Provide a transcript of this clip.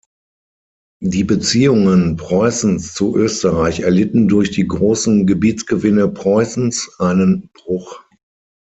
Die Beziehungen Preußens zu Österreich erlitten durch die großen Gebietsgewinne Preußens einen Bruch.